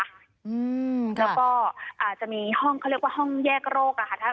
แล้วก็อาจจะมีห้องเขาเรียกว่าห้องแยกโรคอะค่ะ